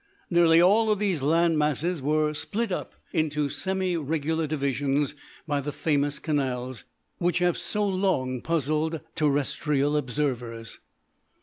Nearly all of these land masses were split up into semi regular divisions by the famous canals which have so long puzzled terrestrial observers.